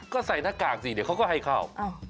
ก็ใส่หน้ากากสิเดี๋ยวเขาก็ให้เข้า